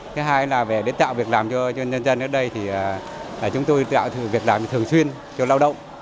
cái hai là để tạo việc làm cho nhân dân ở đây chúng tôi tạo việc làm thường xuyên cho lao động